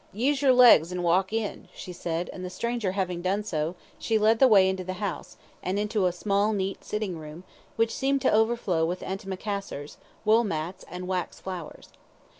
"Use your legs and walk in," she said, and the stranger having done so, she led the way into the house, and into a small neat sitting room, which seemed to overflow with antimacassars, wool mats, and wax flowers.